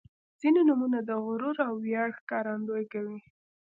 • ځینې نومونه د غرور او ویاړ ښکارندويي کوي.